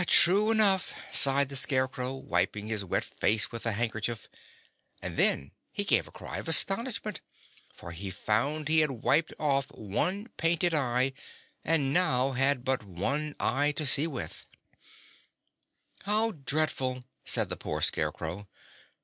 "True enough," sighed the Scarecrow, wiping his wet face with a handkerchief; and then he gave a cry of astonishment, for he found he had wiped off one painted eye and now had but one eye to see with. "How dreadful!" said the poor Scarecrow.